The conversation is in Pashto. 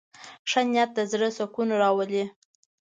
ښه نیت د زړه سکون راولي.